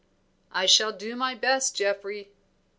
"I shall do my best, Geoffrey."